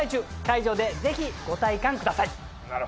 会場でぜひご体感ください。